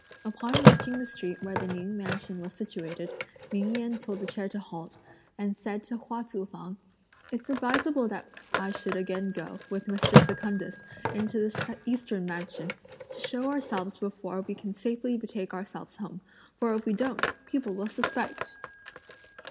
Upon reaching the street where the Ning mansion was situated, Ming Yen told the chair to halt, and said to Hua Tzu fang, "It's advisable that I should again go, with Mr. Secundus, into the Eastern mansion, to show ourselves before we can safely betake ourselves home; for if we don't, people will suspect!"